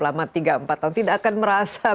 lama tiga empat tahun tidak akan merasa